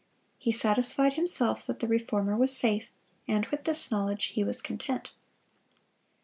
He satisfied himself that the Reformer was safe, and with this knowledge he was content.